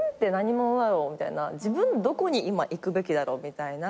自分どこに今行くべきだろうみたいな。